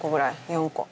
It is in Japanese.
４個。